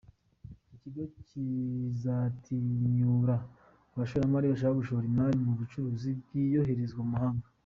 Iki kigo kizatinyura abashoramari bashaka gushora imari mu bucuruzi by’ibyoherezwa mu mahanga.